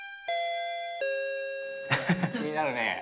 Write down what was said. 気になるね。